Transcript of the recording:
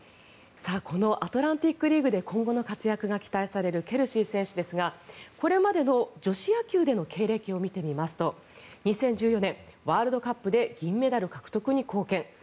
このアトランティック・リーグで今後の活躍が期待されるケルシー選手ですがこれまでの女子野球での経歴を見てみますと２０１４年、ワールドカップで銀メダル獲得に貢献。